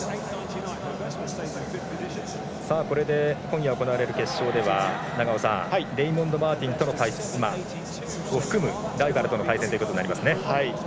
これで今夜行われる決勝では永尾さんレイモンド・マーティンを含むライバルとの対戦となりますね。